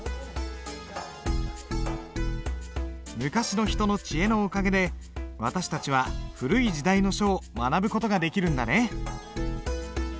昔の人の知恵のおかげで私たちは古い時代の書を学ぶ事ができるんだね。